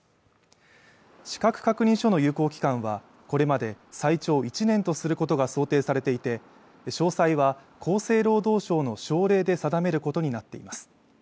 資格確認書の有効期間はこれまで最長１年とすることが想定されていて詳細は厚生労働省の省令で定めることになっています